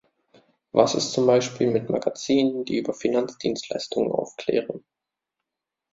Was ist zum Beispiel mit Magazinen, die über Finanzdienstleistungen aufklären?